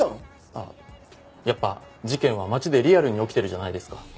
あっやっぱ事件は街でリアルに起きてるじゃないですか。